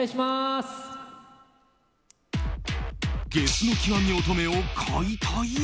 ゲスの極み乙女。を解体？